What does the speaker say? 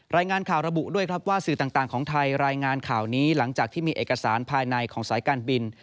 รายงานข่าวระบุด้วยครับว่าสื่อต่างของไทยรายงานข่าวนี้หลังจากที่มีเอกสารภายในของสายการบิน